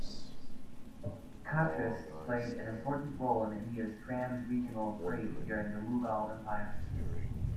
Khatris played an important role in India's trans regional trade during the Mughal Empire.